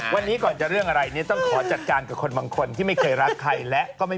วันนี้ก่อนจะเรื่องอะไรเนี่ยต้องขอจัดการกับคนบางคนที่ไม่เคยรักใครและก็ไม่